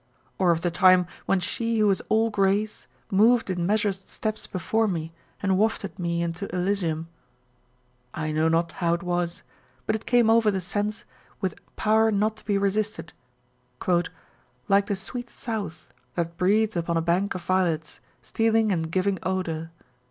Or of the time when she who was all grace moved in measured steps before me, and wafted me into Elysium ? I know not how it was ; but it came over the sense with a power not to be resisted, Like the sweet south, That breathes upon a bank of violets, Stealing and giving odour.